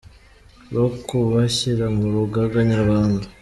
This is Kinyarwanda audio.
wo kubashyira mu rugaga nyarwanda.